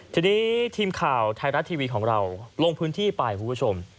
ทีนี้ทีมข่าวไทยรัฐทีวีของเราลงพื้นที่ไปคุณผู้ชม